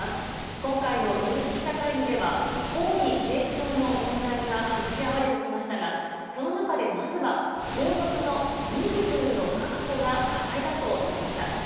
今回の有識者会議では、皇位継承の問題が話し合われてきましたが、その中で、まずは皇族の人数の確保が課題だとなりました。